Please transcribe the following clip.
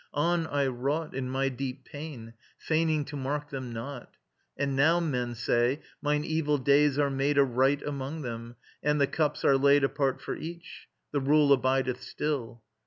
On I wrought In my deep pain, feigning to mark them not. And now, men say, mine evil days are made A rite among them and the cups are laid Apart for each. The rule abideth still.